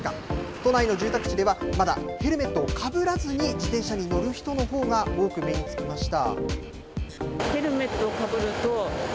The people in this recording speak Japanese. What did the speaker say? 都内の住宅地では、まだヘルメットをかぶらずに自転車に乗る人のほうが多く目につきました。